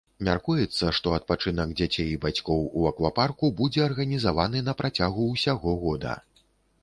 Мяркуецца, што адпачынак дзяцей і бацькоў у аквапарку будзе арганізаваны на працягу ўсяго года.